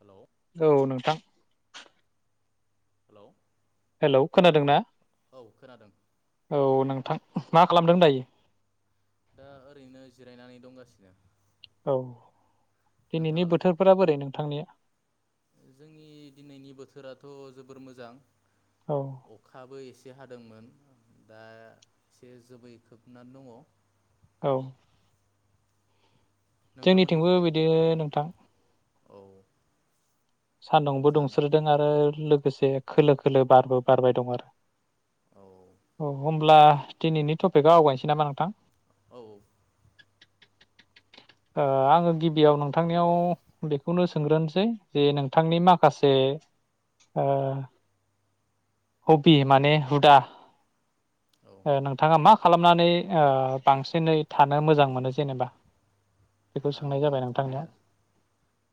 hello औ नोंथां hello hello खोनादों ना खोनादों औ नोंथां मा खालामदों दायो दा ओरैनो जिरायनानै दंगासिनो औ दिनैनि नोंथाङालाय बोथोरफोरा बोरै नोंथांनिया जोंनि दिनैनि बोथोराथ' जोबोर मोजां औ अखाबो एसे एसे हादोंमोन दा एसे जोबै खोबनानै दङ औ जोंनिथिंबो नोंथांमोननिखैलाय बिदि नोंथां औ सान्दुंबो मोजाङानो दुंसोदों आरो लोगो लोगोसे खोलो खोलो बारबो बारबाय दं आरो औ औ हम होनब्ला दिनैनि टपिक आवगायनोसै नामा नोंथां औ [inaudible] ओ आङो गिबियाव नोंथांनियाव बेखौनो सोंग्रोनोसै जे नोंथांनि माखासे ओ हबि माने हुदा औ ओ नोंथाङा मा खालामनानै बांसिनै थानो मोजां मोनो जेनेबा बेखौ आं सोंनाय जाबाय थानाया नोंथांनियाव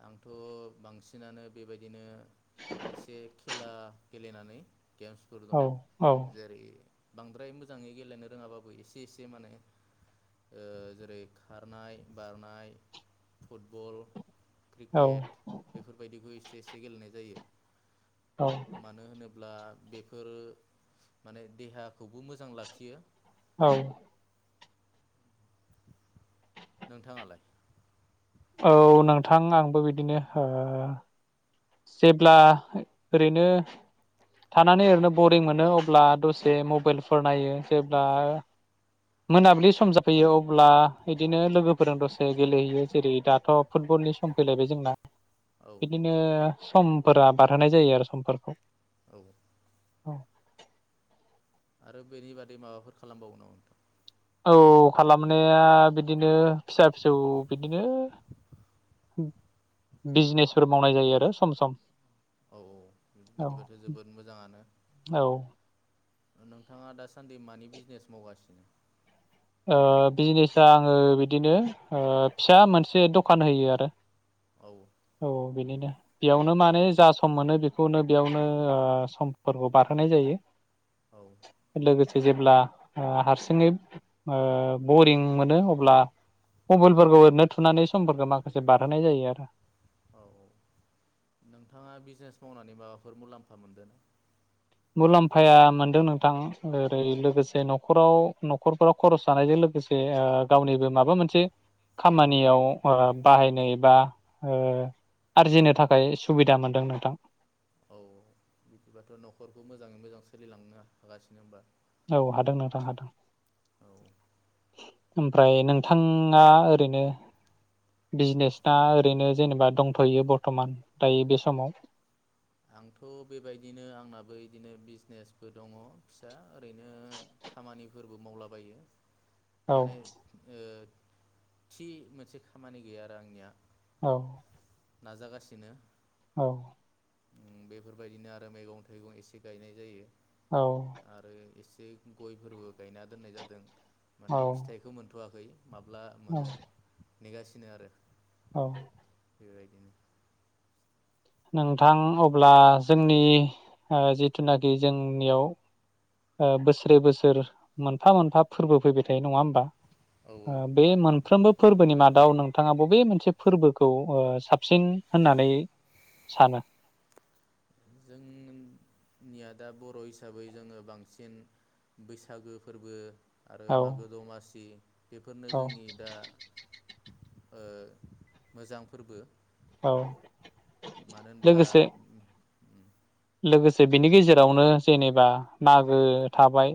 आंथ' बांसिनानो बेबायदिनो एसे खेला गेलेनानै गेम्सफोर औ दं औ जेरै बांद्राय मोजाङै गेलेनो रोङाबाबो एसे एसे माने जेरै खारनाय बारनाय फुटबल औ क्रिकेट बेफोरबायदिखौ एसे एसे गेलेनाय जायो औ ब्ला बेफोरो माने देहाखौबो मोजां लाखियो औ नोंथाङालाय औ नोंथां आंबो बिदिनो जेब्ला ओरैनो थानानै ओरैनो बरिं मोनो अब्ला दसे मबाइलफोर नायो जेब्ला मोनाबिलि सम जाफैयो अब्ला बिदिनो लोगोफोरजों दसे गेलेहैयो जेरै दाथ' फुटबलनि सम फैलायबाय जोंना औ बिदिनो समफोरा बारहोनाय जायो आरो समफोरखौ औ औ आरो बेनि बादै माबाफोर खालामबावगोन नामा औ खालामनाया बिदिनो फिसा फिसौ बिदिनो बिजनेसफोर मावनाय जायो आरो सम सम औ औ बिदिबाथ' औ जोबोद मोजाङानो औ नोंथाङा दासान्दि मानि बिजनेस मावगासिनो बिजनेस आङो बिदिनो फिसा मोनसे दखान होयो आरो औ औ बिनिनो बेयावनो औ माने जा सम मोनो बेखौनो बेयावनो समफोरखौ बारहोनाय जायो औ लोगोसे जेब्ला हारसिङै बरिं मोनो अब्ला मबाइलफोरखौ ओरैनो थुनानै समफोरखौ माखासे बारहोनाय जायो आरो औ औ नोंथाङा बिजनेस मावनानै माबाफोर मुलाम्फा मोनदों मुलाम्फाया मोनदों नोंथां ओरै लोगोसे न'खराव न'खरफोराव खरस जानायजों लोगोसे गावनिबो माबा मोनसे खामानियाव बाहायनो एबा आरजिनो थाखाय सुबिदा मोनदों नोंथां औ बिदिबाथ' न'खरखौ मोजाङै मोजां सोलिलांनो हागासिनो होनबा औ हादों नोंथां हादों औ [inaudible] ओमफ्राय नोंथाङा ओरैनो बिजनेस ना आं ओरैनो जेनेबा दंथ'यो बर्थ'मान दायो बे समाव आंथ' बेबायदिनो आंनाबो इदिनो बिजनेसबो दङ फिसा ओरैनो खामानिफोरबो मावलाबायो औ माने ओ थि मोनसे खामानि गैया आरो आंनिया अ नाजागासिनो औ ओम बेफोरबायदिनो आरो मैगं थाइगं एसे गायनाय जायो औ आरो इस बे गयफोरबो गायना दोननाय जादों औ माने फिथाइखौ मोनथ'वाखै माब्ला मोनो नेगासिनो आरो अ बेबायदिनो नोंथां अब्ला जोंनि ओ जिथुनाखि जोंनियाव बोसोरे बोसोर मोनफा मोनफा फोरबो फैबाय थायो नङा होमबा औ औ ओ बे मान फ्रोमबो फोरबोनि मादाव नोंथाङा बबे मोनसे फोरबोखौ ओ साबसिन होननानै सानो जों निया दा बर' हिसाबै जोङो बांसिन बैसागो फोरबो आरो औ मागो दमासि बेफोरनो औ जोंनि दा ओ मोजां फोरबो औ मानो होनब्ला लोगोसे लोगोसे बिनि गेजेरावनो जेनेबा मागो थाबाय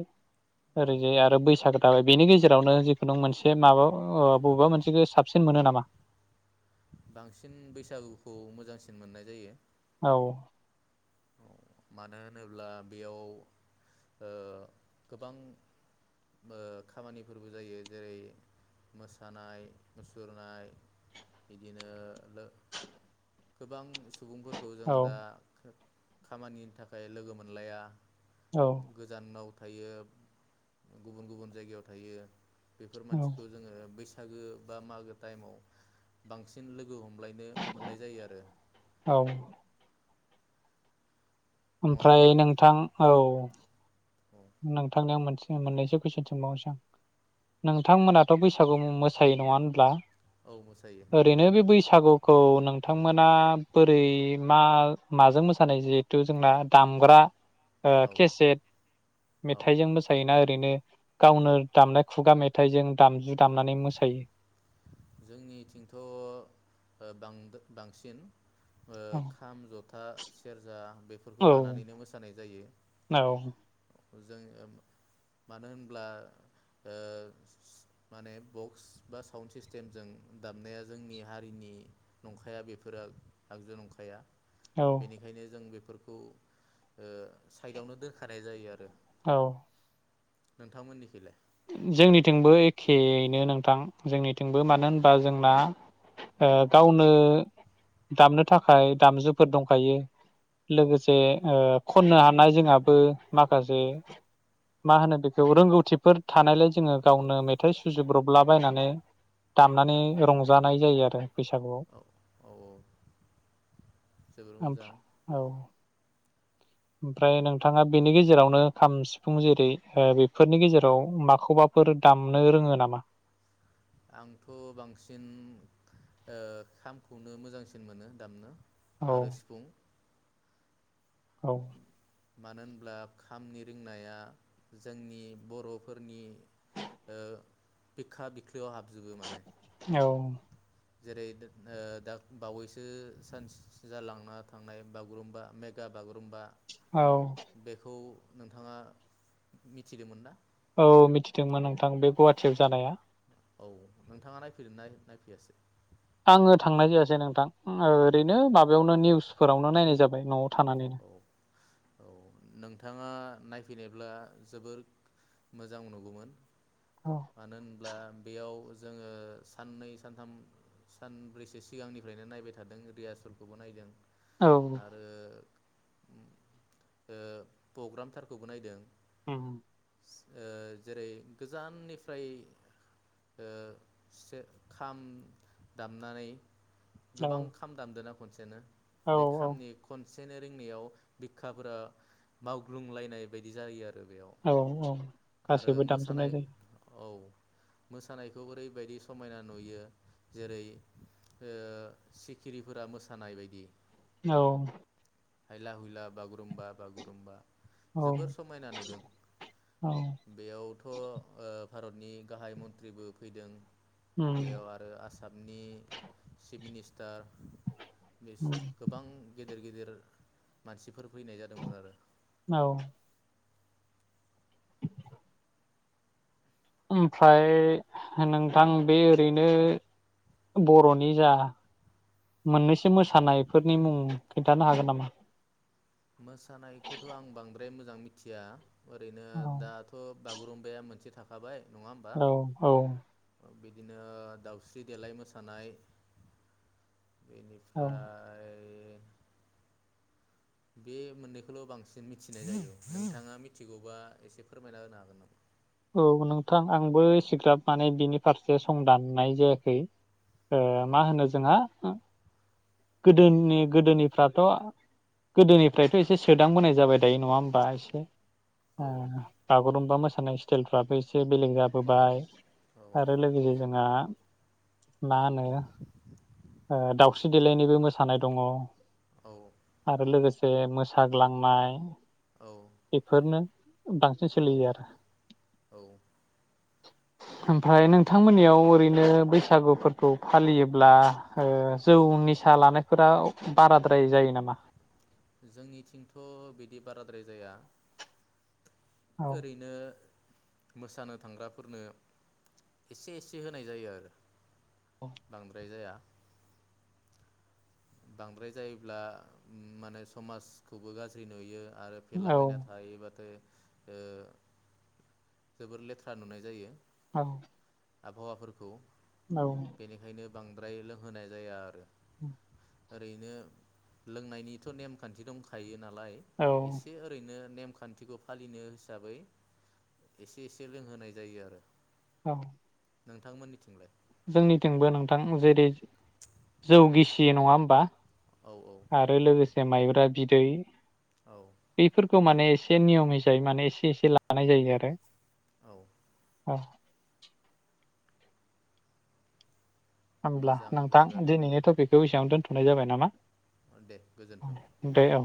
औ ओरैजाय आरो बैसागो दाबाय बेनि गेजेरावनो जिखुनु मोनसे माबा ओ बबेबा मोनसेखौ साबसिन मोनो नामा बांसिन बैसागुखौ मोजांसिन मोननाय जायो औ मानो होनोब्ला बेयाव ओ गोबां ओ खामानिफोरबो जायो जेरै मोसानाय मुसुरनाय बिदिनो ओ गोबां सुबुंफोरखौ जों औ दा खामानिनि थाखाय लोगो मोनलाया औ गोजानाव थायो गुबुन गुबुन जायगायाव थायो बेफोर औ मानसिखौ जोङो बैस बैसागो बा मागो टाइमाव बांसिन लोगो हमलायनो मोननाय जायो आरो औ नङा होमबा ओमफ्राय नोंथां औ औ नोंथांनियाव मोनसे मोननैसो कुइसन सोंबावनोसै आं नोंथांमोनाथ' बैसागु मोसायो नङा होनब्ला औ मोसायो ओरैनो बे बैसागु औ नोंथांमोना बोरै मा माजों मोसानाय जिहेथु जोंना दामग्रा ओ औ केसेट औ मेथाइजों मोसायोना ओरैनो औ गावनो दामनाय खुगा मेथाइ थायजों दामजु दामनानै मोसायो जोंनिथिंथ' बां बांसिन औ खाम जथा सेरजा बेफोरखौ लानानैनो मोसानाय जायो औ जों मानो होनब्ला ओ माने बक्स बा साउन्ड सिस सिस्टेमजों दामनाया जोंनि हारिनि नंखाया बेफोरो आगजु नंखाया औ बेनिखायनो जों बेफोर साइदआवनो दोनखानाय जायो आरो औ नोंथांमोननिखैलाय जोंनिथिंबो एखेनो नोंथां जोंनिथिंबो औ मानो होनबा जोंना गावनो दामनो थाखाय दामजुफोर दंखायो औ लोगोसे ओ खननो हानाय जोंहाबो माखासे मा होनो बेखौ रोंगौथिफोर थानायलाय जों औ गावनो मेथाइ सुजु जाब्रबला बायनानै दामनानै रंजानाय जायो आरो बैसागुआव औ औ जोबोर मोजां फ्रोम औ ओमफ्राय नोंथाङा बेनि गेजेरावनो खाम सिफुं जेरै बेफोरनि गेजेराव माखौबाफोर दामनो रोङो नामा आंथ' बांसिन खामखौनो मोजांसिन मोनो दामनो औ आरो सिफुं औ मानो होनब्ला खामनि रिंनाया जोंनि बर'फोरनि ओ बिखा याव हाबजोबो माने औ जेरै दा बावैसो सानस जालांना थांनाय बागुरुम्बा मेगा बागुरुम्बा औ बेखौ नोंथाङा मिथिदोंमोन दा औ मिथिदोंमोन नोंथां बे गुवाहाटियाव जानाया औ नोंथाङा नायफैदोंना नायफैयासै आङो थांनाय जायासै नोंथां ओ औ ओरैनो माबायावनो निउसफोरावनो नायनाय जाबाय न'आव थानानैनो औ औ नोंथाङा नायफैनायब्ला जोबोर मोजां नुगौमोन औ मानो होनब्ला बेयाव जोङो साननै सानथाम सानब्रैसो सिगांनिफ्रायनो नायबाय थादों रियासलखौबो नायदों औ आरो ओ पग्रामथारखौबो नायदों उम ओ जेरै गोजाननिफ्राय ओ सेर खाम दामनानै औ गोबां खाम दामदोना खनसेनो औ बे खामनि खनसे फोयनो रिंनायाव बिखाफोरा मावग्लुंलायनाय बायदि जायो आरो बेयाव औ औ आरो गासैबो दामजोबनाय मोसानाय जायो औ मोसानायखौ ओरैबायदि समायना नुयो जेरै ओ सिखिरिफोरा मोसानाय बायदि औ हायला हुइला बागुरुम्बा बागुरुम्बा औ जोबोर समायना नुदों औ बेयावथ' ओ भारतनि गाहाय मन्त्रिबो फैदों उम बेयाव आरो आसामनि चिफ मिनिस्टार उम गोबां गे गिदिर गिदिर मानसिफोर फैनाय जादोंमोन आरो औ ओमफ्राय नोंथां बे ओरैनो बर'नि जा मोननैसो मोसानायफोरनि मुं खिनथानो हागोन नामा मोसानायखौथ' आं बांद्राय मो जां मिथिया ओरैनो औ दाथ' बागुरुम्बाया मोनसे थाखाबाय नङा होमबा औ औ बिदिनो दाउस्रि देलाय मोसानाय औ बेनिफ्राय बे मोननैखौल' बांसिन मिथिनाय जायो नोंथाङा मिथिगौबा एसे फोरमायना होनो हागोन नामा औ नोंथां आंबो एसेग्राब माने बिनि फारसे संदाननाय जायाखै ए हागोन मा नामा होनो जोंहा गोदोनि गोदोनिफ्राथ' गोदोनिफ्रायथ' एसे सोदांबोनाय जाबाय दायो नङा होमबा एसे औ [unintelligible] बा मोसानाय हटेलफ्राबो एसे एसे बेलेग औ जाबोबाय औ आरो लोगोसे जोंहा मा होनो ओ दावस्रि देलायनिबो मोसानाय दङ आरो लोगोसे जे मोसाग्लांनाय औ बेफोरनो बांसिन सोलियो आरो औ ओमफ्राय नोंथांमोननियाव ओरैनो बैसागुफोरखौ फालियोब्ला ओ जौ निसा लानायफोरा बाराद्राय जायो नामा जोंनिथिंथ' बिदि बाराद्राय जाया औ ओरैनो मोसानो थांग्राफोरनो एसे एसे होनाय जायो आरो बांद्राय जाया बांद्राय जायोब्ला माने समाजखौबो गाज्रि नुयो आरो औ फेलाबायना थायोबाथाय जोबोर लेथ्रा नुनाय जायो औ आबहावाफोरखौ औ बेनिखायनो बांद्राय लोंहोनाय जाया आरो औ ओरैनो लोंनायनिथ' नेमखान्थि दंखायोना नालाय औ एसे ओरैनो नेमखान्थिखौ फालिनो हिसाबै एसे एसे लोंहोनाय जायो आरो औ नोंथांमोननिथिंलाय जोंनिथिंबो नोंथां जेरै जौ गिसियो नङा होमबा औ औ आरो लोगोसे ए माइब्रा बिदै औ बेफोरखौ माने एसे नियम हिसायै माने एसे एसे लानाय जायो आरो औ औ होमब्ला मोजां नोंथां बिदिबाथ' दिनैनि टपिकखौ एसेयावनो दोनथ' हुनाय जाबाय नामा दे गोजोन्थों दे औ